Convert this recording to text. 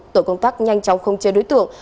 tổ công tác nhanh chóng không chê đối tượng